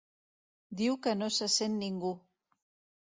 Diu que no se sent ningú.